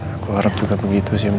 aku harap juga begitu sih